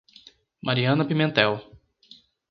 Mariana Pimentel